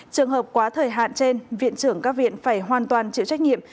trong thời hạn trên viện trưởng các viện phải hoàn toàn chịu trách nhiệm